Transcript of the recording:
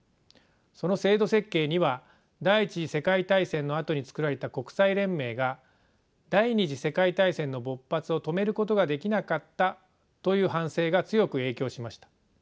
その制度設計には第１次世界大戦のあとに作られた国際連盟が第２次世界大戦の勃発を止めることができなかったという反省が強く影響しました。